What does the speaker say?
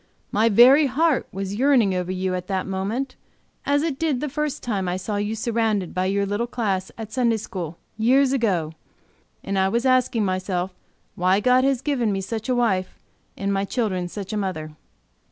My very heart was yearning over you at that moment, as it did the first time I saw you surrounded by your little class at Sunday school, years ago, and I was asking myself why God had given me such a wife, and my children such a mother."